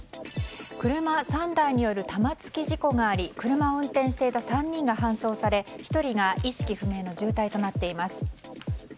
車３台による玉突き事故があり車を運転していた３人が搬送され、１人が意識不明の重体となっています。